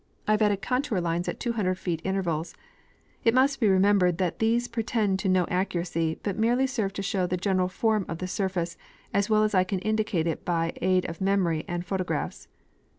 I have added contour lines The Maps of tJic Glacier. 55 at 200 foot intervals ; it must be remembered that these pretend to no accuracy, but merely serve to show the general form of the surface, as well as I can indicate it by aid of memory and pho tographs.